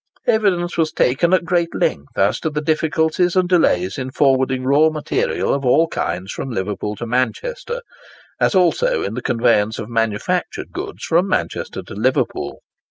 Evidence was taken at great length as to the difficulties and delays in forwarding raw material of all kinds from Liverpool to Manchester, as also in the conveyance of manufactured goods from Manchester to Liverpool.